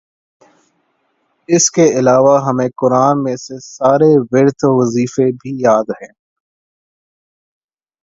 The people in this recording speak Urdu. اسکے علاوہ ہمیں قرآن میں سے سارے ورد وظیفے بھی یاد ہیں